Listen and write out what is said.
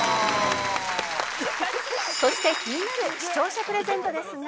そして気になる視聴者プレゼントですが。